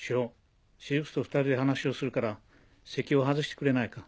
汐雫と２人で話をするから席を外してくれないか。